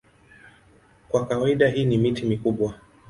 Kwa kawaida hii ni miti mikubwa.